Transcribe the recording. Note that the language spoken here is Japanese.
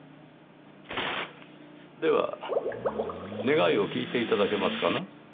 では願いを聞いて頂けますかな？